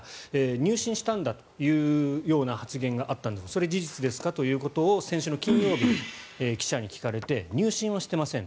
入信したんだという発言があったんですがそれは事実ですかということで先週金曜日、記者に聞かれて入信はしてません